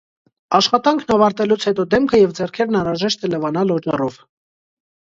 Աշխատանքն ավարտելուց հետո դեմքը և ձեռքերն անհրաժեշտ է լվանալ օճառով։